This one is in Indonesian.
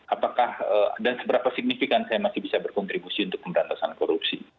apakah dan seberapa signifikan saya masih bisa berkontribusi untuk pemberantasan korupsi